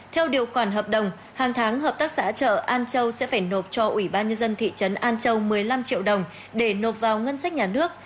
theo điều khoản hợp đồng hàng tháng hợp tác xã chợ an châu sẽ phải nộp cho ủy ban nhân dân thị trấn an châu một mươi năm triệu đồng để nộp vào ngân sách nhà nước